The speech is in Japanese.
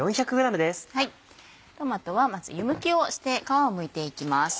トマトはまず湯むきをして皮をむいていきます。